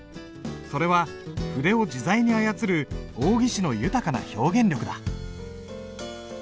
それは筆を自在に操る王羲之の豊かな表現力だ。